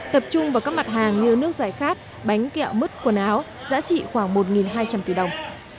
tập trung vào các mặt hàng như nước giải khát bánh kẹo mứt quần áo giá trị khoảng một hai trăm linh tỷ đồng